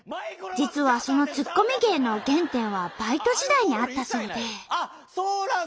実はそのツッコミ芸の原点はバイト時代にあったそうで。